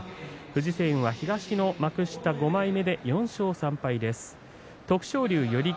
藤青雲は東の幕下５枚目で４勝３敗です。